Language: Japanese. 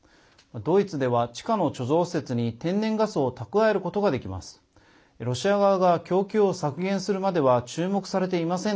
ドイツでは、地下の貯蔵施設に天然ガスを蓄えることができます。